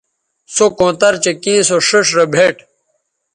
سو کونتر چہء کیں سو ݜئیݜ رے بھیٹ